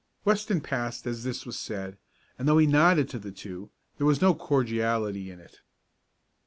Weston passed as this was said, and though he nodded to the two, there was no cordiality in it.